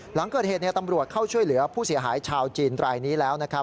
หลังเกิดเหตุตำรวจเข้าช่วยเหลือผู้เสียหายชาวจีนรายนี้แล้วนะครับ